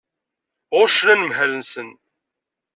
Ɣuccen anemhal-nsen.